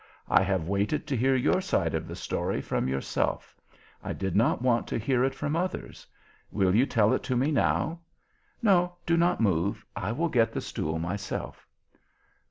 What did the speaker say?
I have waited to hear your side of the story from yourself. I did not want to hear it from others. Will you tell it to me now? No, do not move, I will get the stool myself."